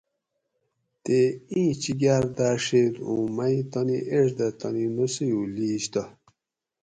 تے ایں چِکار داڛیت اوں مئی تانی ایڄ دہ تانی نوسیو لیش تہ